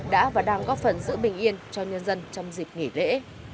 đã và đang góp phần giữ bình yên cho nhân dân trong dịp nghỉ lễ